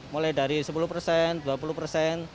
mulai dari sepuluh persen dua puluh persen